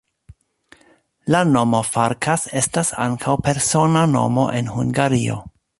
La nomo Farkas estas ankaŭ persona nomo en Hungario.